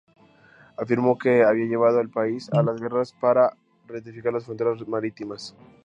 Afirmó que había llevado al país a la guerra para rectificar las fronteras marítimas.